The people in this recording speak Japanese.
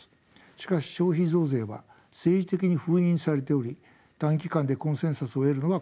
しかし消費増税は政治的に封印されており短期間でコンセンサスを得るのは困難でしょう。